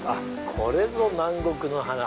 これぞ南国の花。